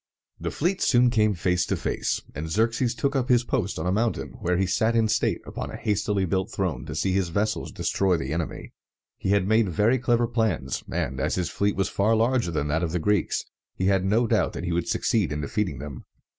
The fleets soon came face to face; and Xerxes took up his post on a mountain, where he sat in state upon a hastily built throne to see his vessels destroy the enemy. He had made very clever plans, and, as his fleet was far larger than that of the Greeks, he had no doubt that he would succeed in defeating them.